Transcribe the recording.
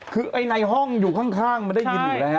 คือไอ้ในห้องอยู่ข้างมันได้ยินอยู่แล้วฮ